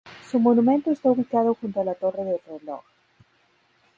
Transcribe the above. Su monumento está ubicado junto a la torre del reloj.